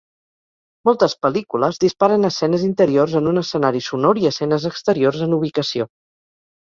Moltes pel·lícules disparen escenes interiors en un escenari sonor i escenes exteriors en ubicació.